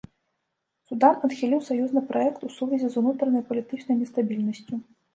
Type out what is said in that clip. Судан адхіліў саюзны праект, у сувязі з унутранай палітычнай нестабільнасцю.